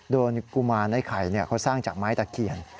โดยกุมารไอ้ไข่เขาสร้างจากไม้ตะเคียน